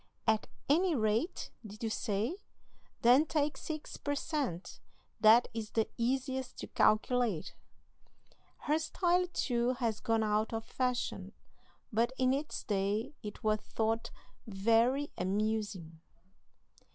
"'At any rate, did you say? Then take six per cent; that is the easiest to calculate.'" Her style, too, has gone out of fashion; but in its day it was thought very amusing.